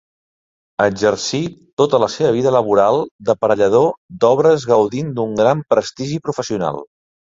Exercí tota la seva vida laboral d'aparellador d'obres gaudint d'un gran prestigi professional.